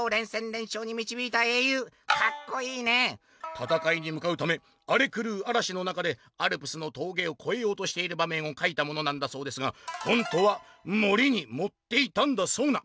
「たたかいにむかうためあれくるうあらしの中でアルプスの峠を越えようとしている場面を描いたものなんだそうですが本当は盛りに盛っていたんだそうな！」。